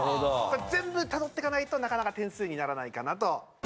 全部たどってかないとなかなか点数にならないかなと。